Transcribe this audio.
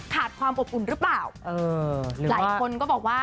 ขาดความปรบอุ่นหรือเปล่าหรือว่า